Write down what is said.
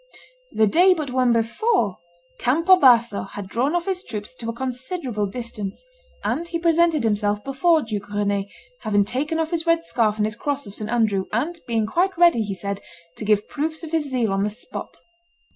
The day but one before, Campo Basso had drawn off his troops to a considerable distance; and he presented himself before Duke Rene, having taken off his red scarf and his cross of St. Andrew, and being quite ready, he said, to give proofs of his zeal on the spot.